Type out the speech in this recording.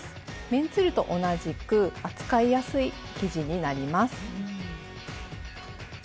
綿ツイルと同じく扱いやすい生地になります。